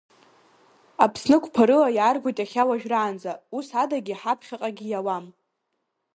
Аԥсны қәԥарыла иааргоит иахьа уажәраанӡа, ус адагьы ҳаԥхьаҟагьы иауам.